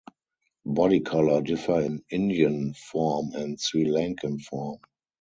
Body color differ in Indian form and Sri Lankan form.